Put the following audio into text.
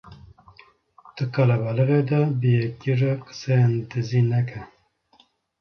Di qelebalixê de bi yekî re qiseyên dizî neke